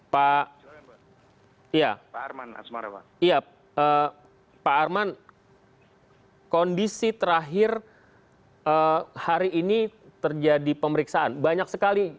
pak arman kondisi terakhir hari ini terjadi pemeriksaan banyak sekali